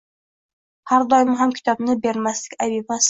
Har doim ham kitobni bermaslik ayb emas.